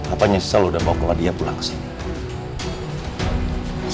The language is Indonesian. apa nyesel lo udah bawa claudia pulang ke sini